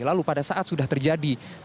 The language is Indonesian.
lalu pada saat sudah terjadi